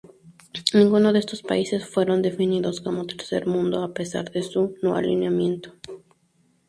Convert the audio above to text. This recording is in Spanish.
Ninguno de estos países fueron definidos como Tercer Mundo a pesar de su no-alineamiento.